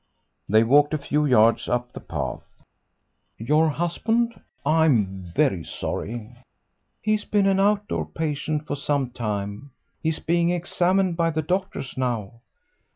They walked a few yards up the path. "Your husband! I'm very sorry." "He's been an out door patient for some time; he's being examined by the doctors now."